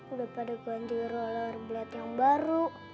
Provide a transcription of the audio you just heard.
udah pada ganti rollerblade yang baru